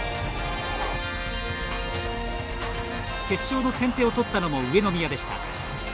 決勝の先手を取ったのも上宮でした。